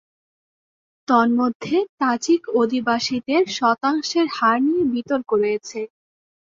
তন্মধ্যে, তাজিক অধিবাসীদের শতাংশের হার নিয়ে বিতর্ক রয়েছে।